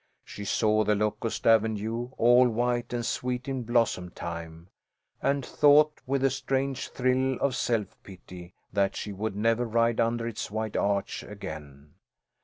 She saw the locust avenue all white and sweet in blossom time, and thought, with a strange thrill of self pity, that she would never ride under its white arch again.